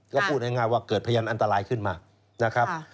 ก็พูดง่ายว่าเกิดพยานอันตรายขึ้นมานะครับ